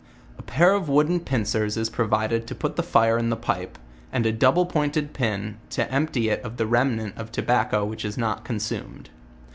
A pair of wooden pincers is provided to put the fire in the pipe, and a double pointed pin, to empty it of the remnant of tobacco which is not consumed.